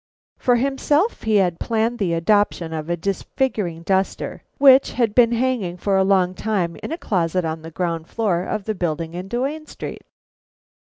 For himself he had planned the adoption of a disfiguring duster which had been hanging for a long time in a closet on the ground floor of the building in Duane Street.